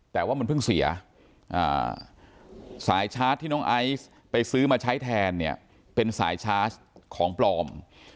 แต่ว่ามันเพิ่งเสียสายสายชาร์จที่น้องไอซ์ไปซื้อมาใช้แทนเนี่ยเป็นสายชาร์จของปลอม